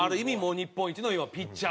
日本一のピッチャーですよ。